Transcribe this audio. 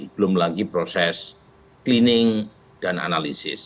belum lagi proses cleaning dan analisis